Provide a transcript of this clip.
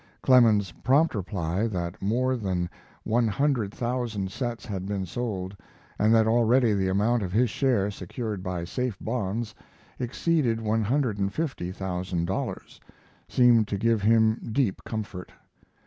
Clemens's prompt reply, that more than one hundred thousand sets had been sold, and that already the amount of his share, secured by safe bonds, exceeded one hundred and fifty thousand dollars, seemed to give him deep comfort.